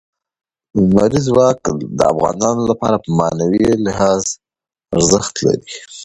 لمریز ځواک د افغانانو لپاره په معنوي لحاظ ارزښت لري.